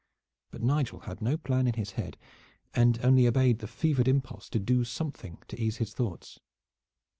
But Nigel had no plan in his head and only obeyed the fevered impulse to do something to ease his thoughts.